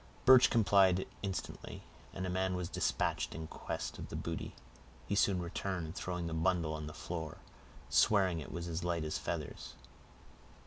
Birch complied instantly, and a man was dispatched in quest of the booty; he soon returned, throwing the bundle on the floor, swearing it was as light as feathers.